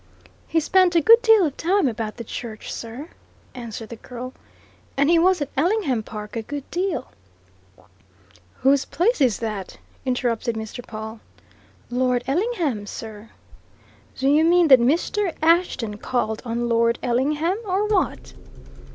"He spent a good deal of time about the church, sir," answered the girl, "and he was at Ellingham Park a good deal " "Whose place is that?" interrupted Mr. Pawle. "Lord Ellingham's, sir." "Do you mean that Mr. Ashton called on Lord Ellingham, or what?"